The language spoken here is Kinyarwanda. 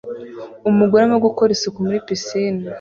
Umugore arimo gukora isuku muri pisine